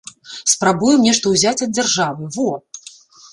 Спрабуем нешта ўзяць ад дзяржавы, во!